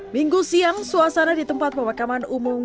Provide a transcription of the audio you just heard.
minggu siang suasana di tempat pemakaman umum